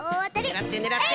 ねらってねらって。